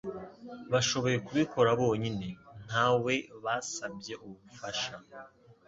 Bashoboye kubikora bonyine ntawe basabye ubufasha.